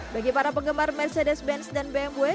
bagi para penggemar mercedes benz dan bmw